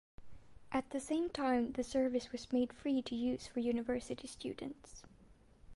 At the same time the service was made free to use for university students.